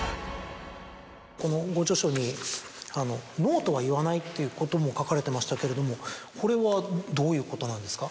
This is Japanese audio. このご著書に。ということも書かれてましたけれどもこれはどういうことなんですか？